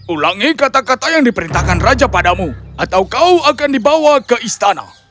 ulangi kata kata yang diperintahkan raja padamu atau kau akan dibawa ke istana